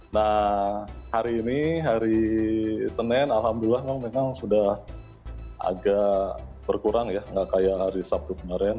nah hari ini hari senin alhamdulillah memang sudah agak berkurang ya nggak kayak hari sabtu kemarin